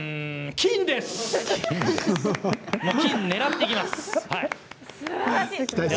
金を狙っていきます。